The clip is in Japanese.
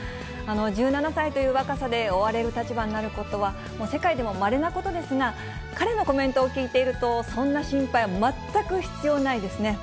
１７歳という若さで追われる立場になることは、世界でもまれなことですが、彼のコメントを聞いていると、そんな心配は全く必要ないですね。